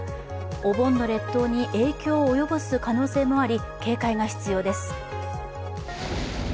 お盆の列島に影響を及ぼす可能性もあり、警戒が必要です。